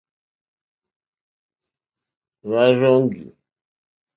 Hwá rzɔ́ŋgí.